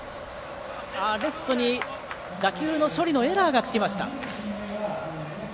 レフトに打球の処理のエラーがつきました。